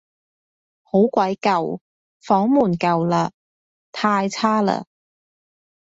好鬼舊，房門舊嘞，太差嘞